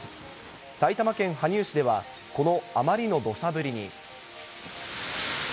埼玉県羽生市では、このあまりのどしゃ降りに。